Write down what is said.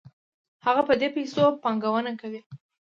هغه په دې پیسو پانګونه کوي